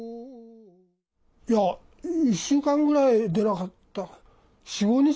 １週間ぐらい出なかったかな。